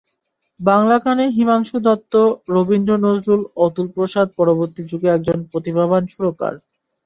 বাংলা গানে হিমাংশু দত্ত রবীন্দ্র, নজরুল, অতুলপ্রসাদ–পরবর্তী যুগে একজন প্রতিভাবান সুরকার।